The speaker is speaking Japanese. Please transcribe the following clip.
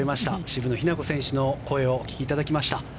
渋野日向子選手の声をお聞きいただきました。